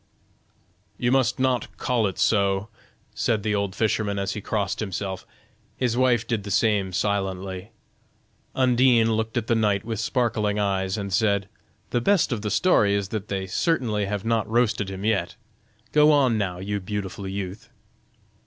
"You must not call it so," said the old fisherman as he crossed himself; his wife did the same silently. Undine looked at the knight with sparkling eyes and said: "The best of the story is that they certainly have not roasted him yet; go on now, you beautiful youth!"